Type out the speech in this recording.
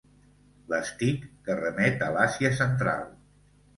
L'Steak que remet a l'Àsia Central.